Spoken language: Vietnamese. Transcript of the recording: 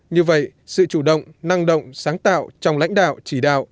như vậy sự chủ động năng động sáng tạo trong lãnh đạo chỉ đạo